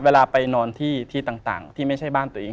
เวลาไปนอนที่ต่างที่ไม่ใช่บ้านตัวเอง